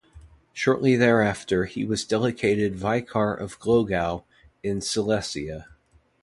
Shortly thereafter he was delegated vicar of Glogau in Silesia.